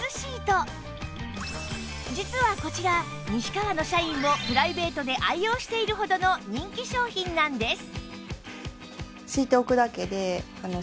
実はこちら西川の社員もプライベートで愛用しているほどの人気商品なんです